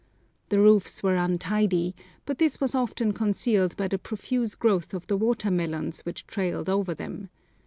The roofs were untidy, but this was often concealed by the profuse growth of the water melons which trailed over them.